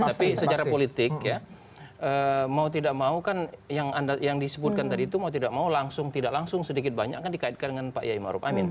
tapi secara politik ya mau tidak mau kan yang disebutkan tadi itu mau tidak mau langsung tidak langsung sedikit banyak kan dikaitkan dengan pak yai maruf amin